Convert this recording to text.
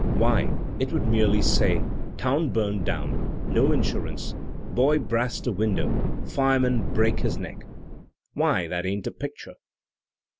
Why, it would merely say, *Town burned down; no insurance; boy brast a window; fireman brake his neck!' Why, that ain't a picture!"